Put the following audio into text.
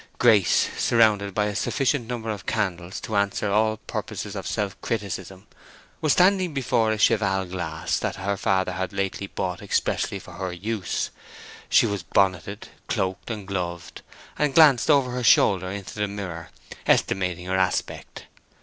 Grace, surrounded by a sufficient number of candles to answer all purposes of self criticism, was standing before a cheval glass that her father had lately bought expressly for her use; she was bonneted, cloaked, and gloved, and glanced over her shoulder into the mirror, estimating her aspect.